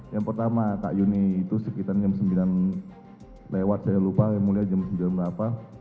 yang pertama kak yuni itu sekitar jam sembilan lewat saya lupa yang mulia jam sembilan berapa